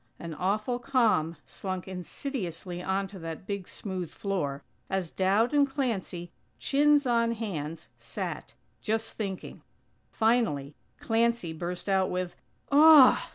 An awful calm slunk insidiously onto that big smooth floor, as Dowd and Clancy, chins on hands, sat, just thinking! Finally Clancy burst out with: "Aw!